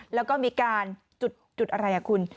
แล้วก็มีการจุดอะไรคุณ